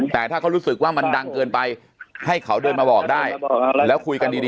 แต่ถ้าเขารู้สึกว่ามันดังเกินไปให้เขาเดินมาบอกได้แล้วคุยกันดี